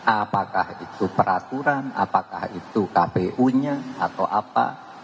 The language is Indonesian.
apakah itu peraturan apakah itu kpu nya atau apa